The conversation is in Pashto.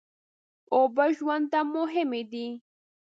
اوبه ژوند ته مهمې دي.